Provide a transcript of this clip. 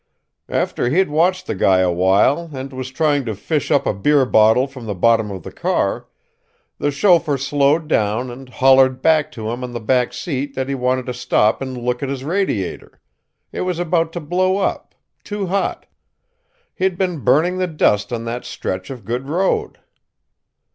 "After he'd watched the guy a while and was trying to fish up a beer bottle from the bottom of the car, the chauffeur slowed down and hollered back to him on the back seat that he wanted to stop and look at his radiator it was about to blow up, too hot. He'd been burning the dust on that stretch of good road.